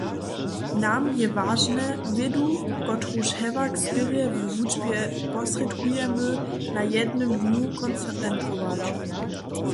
Nam je wažne wědu, kotruž hewak skerje we wučbje posrědkujemy, na jednym dnju koncentrować.